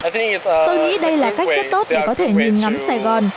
tôi nghĩ đây là cách rất tốt để có thể nhìn ngắm sài gòn